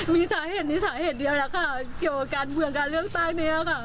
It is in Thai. มีสาเหตุนี้สาเหตุเดียวแล้วค่ะเกี่ยวกับการเมืองการเลือกตั้งนี้ค่ะ